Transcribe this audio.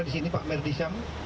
di sini pak merdisam